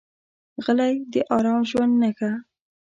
غلی، د ارام ژوند نښه ده.